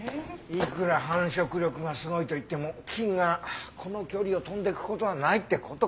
いくら繁殖力がすごいといっても菌がこの距離を飛んでいく事はないって事か。